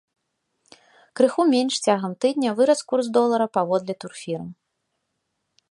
Крыху менш цягам тыдня вырас курс долара паводле турфірм.